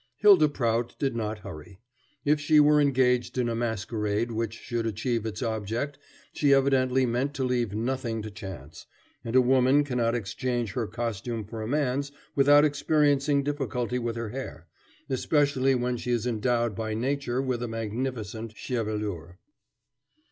Hylda Prout did not hurry. If she were engaged in a masquerade which should achieve its object she evidently meant to leave nothing to chance, and a woman cannot exchange her costume for a man's without experiencing difficulty with her hair, especially when she is endowed by nature with a magnificent chevelure.